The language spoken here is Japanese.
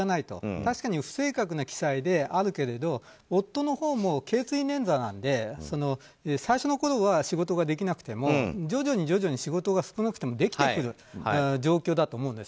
確かに不正確な記載ではあるけど夫のほうも頸椎捻挫なので最初のころは仕事ができなくても徐々に仕事ができてくる状況だと思うんです。